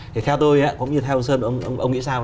thì theo tôi cũng như theo ông sơn ông nghĩ sao